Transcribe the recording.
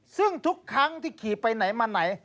ซึ่งทุกครั้งที่ขี่ไปไหนมาไหน